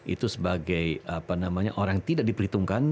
itu sebagai orang yang tidak diperhitungkan